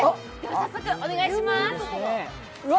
早速、お願いします。